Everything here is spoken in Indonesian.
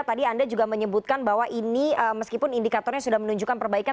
tadi anda juga menyebutkan bahwa ini meskipun indikatornya sudah menunjukkan perbaikan